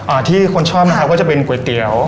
ที่คนชอบนะครับก็จะเป็นก๋วยเตี๋ยว